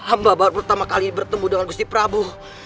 hamba baru pertama kali bertemu dengan gusti prabu